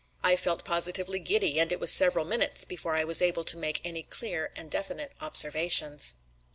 I felt positively giddy, and it was several minutes before I was able to make any clear and definite observations.